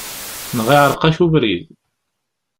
Neɣ iɛereq-ak ubrid!